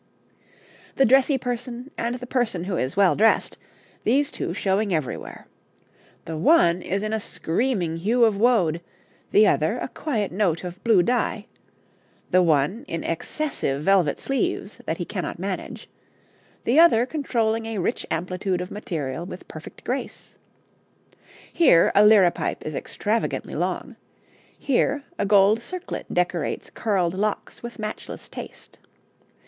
The dressy person and the person who is well dressed these two showing everywhere. The one is in a screaming hue of woad, the other a quiet note of blue dye; the one in excessive velvet sleeves that he cannot manage, the other controlling a rich amplitude of material with perfect grace. Here a liripipe is extravagantly long; here a gold circlet decorates curled locks with matchless taste.